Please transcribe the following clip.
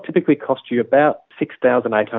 itu akan berharga sekitar enam delapan ratus dalam periode itu